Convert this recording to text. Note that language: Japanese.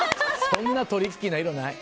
そんなトリッキーな色ない。